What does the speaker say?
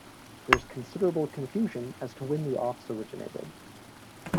There is considerable confusion as to when the office originated.